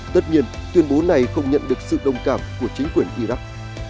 tất nhiên tuyên bố này không nhận được sự đồng cảm của chính quyền iraq